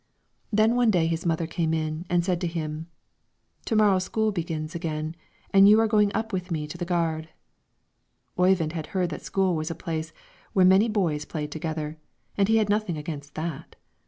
Then one day his mother came in and said to him, "To morrow school begins again, and you are going with me up to the gard." Oyvind had heard that school was a place where many boys played together, and he had nothing against that.